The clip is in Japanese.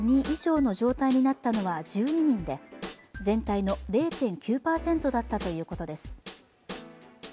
Ⅱ以上の状態になったのは１２人で全体の０．９％だったということです